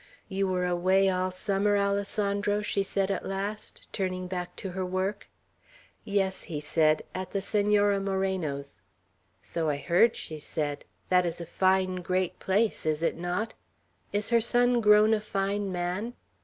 "You were away all summer, Alessandro?" she said at last, turning back to her work. "Yes," he said: "at the Senora Moreno's." "So I heard," she said. "That is a fine great place, is it not? Is her son grown a fine man?